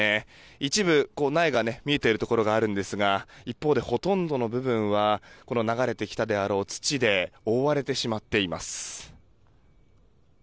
一部、苗が見えているところがあるんですが一方でほとんどの部分は流れてきたであろう土で覆われてしまっています。